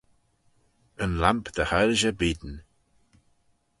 Yn lamp dy hoilshey beayn.